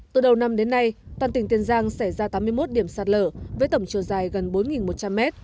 từ đầu năm đến nay toàn tỉnh tiền giang sẽ ra tám mươi một điểm sạt lở với tổng chiều dài gần bốn một trăm linh m